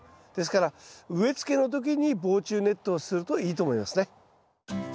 ですから植えつけの時に防虫ネットをするといいと思いますね。